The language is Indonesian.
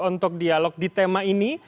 untuk dialog di tema ini